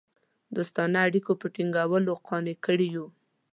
دوستانه اړېکو په ټینګولو قانع کړي وه.